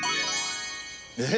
えっ？